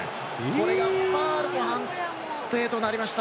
これがファウルの判定となりました。